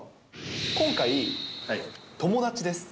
今回、友達です。